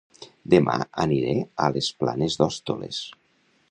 Dema aniré a Les Planes d'Hostoles